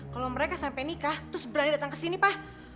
kalau mereka sampai nikah terus berani datang kesini pa